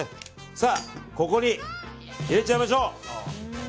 ここに入れちゃいましょう。